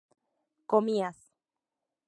comías